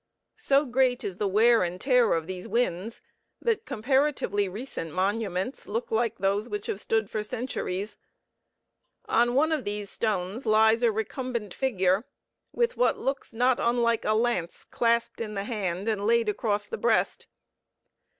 So great is the wear and tear of these winds that comparatively recent monuments look like those which have stood for centuries. On one of these stones lies a recumbent figure, with what looks not unlike a lance clasped in the hand and laid across the breast.